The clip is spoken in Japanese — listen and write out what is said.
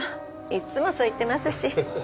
いつもそう言ってますし。